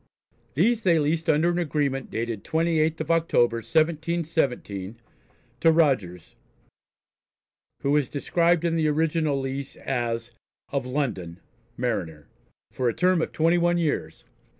These they leased under an agreement dated 28th of October, 1717, to Rogers, who is described in the original lease as "of London, Mariner," for a term of twenty one years.